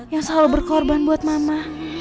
yang selalu berkorban buat mama